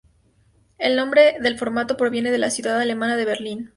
El nombre del formato proviene de la ciudad alemana de Berlín.